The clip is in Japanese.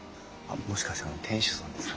もしかして店主さんですか？